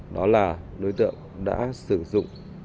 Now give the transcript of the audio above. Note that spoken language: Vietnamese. đó là đối tượng đã sử dụng